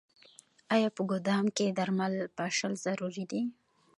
آیا په ګدام کې درمل پاشل ضروري دي؟